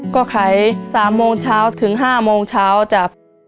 ก็ขาย๓โมงเช้าถึง๕โมงเช้าจับ